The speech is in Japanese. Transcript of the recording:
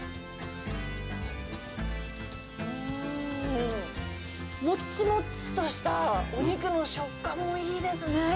うーん、もっちもっちとしたお肉の食感もいいですね。